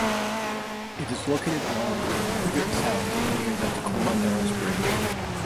It is located along Puget Sound near the Tacoma Narrows Bridge.